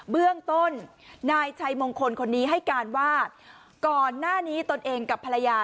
เบื้องต้นนายชัยมงคลคนนี้ให้การว่าก่อนหน้านี้ตนเองกับภรรยา